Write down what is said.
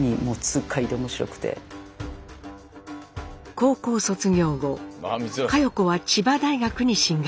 高校卒業後佳代子は千葉大学に進学。